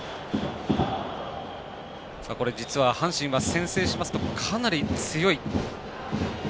実は阪神は先制しますとかなり強い。